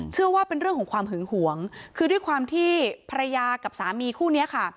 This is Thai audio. เชื่อว่าเป็นเรื่องของความหึงหวงคือด้วยความที่ภรรยากับสามีคู่นี้ค่ะ